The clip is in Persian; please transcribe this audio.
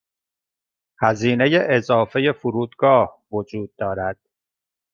هزینه اضافه فرودگاه وجود دارد.